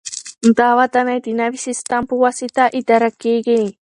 دا ودانۍ د نوي سیسټم په واسطه اداره کیږي.